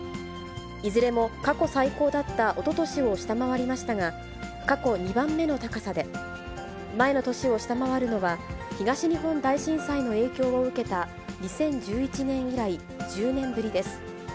いずれも過去最高だったおととしを下回りましたが、過去２番目の高さで、前の年を下回るのは、東日本大震災の影響を受けた２０１１年以来、１０年ぶりです。